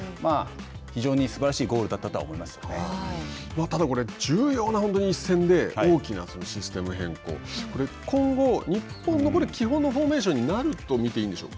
なので、非常にすばらしいただ、これ重要な一戦で大きなシステム変更今後、日本の基本のフォーメーションになると見ていいんでしょうか。